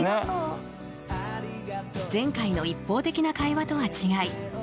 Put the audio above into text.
前回の一方的な会話とは違い